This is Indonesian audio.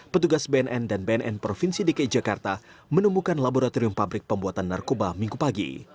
petugas bnn dan bnn provinsi dki jakarta menemukan laboratorium pabrik pembuatan narkoba minggu pagi